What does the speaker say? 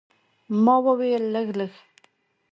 ما وویل، لږ، لږ.